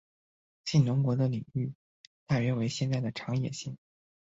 信浓国的领域大约为现在的长野县。